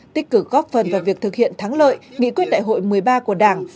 tích cực góp phần vào việc thực hiện thắng lợi nghị quyết đại hội một mươi ba của đảng